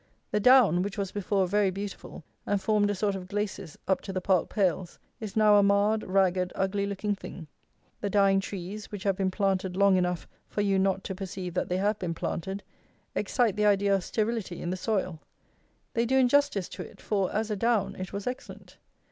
The down, which was before very beautiful, and formed a sort of glacis up to the park pales, is now a marred, ragged, ugly looking thing. The dying trees, which have been planted long enough for you not to perceive that they have been planted, excite the idea of sterility in the soil. They do injustice to it; for, as a down, it was excellent.